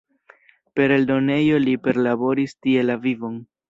Per eldonejo li perlaboris tie la vivon.